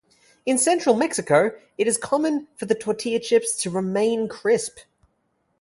In central Mexico it is common for the tortilla chips to remain crisp.